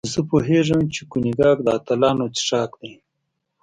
زه پوهېږم چې کونیګاک د اتلانو څښاک دی.